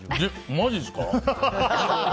マジっすか？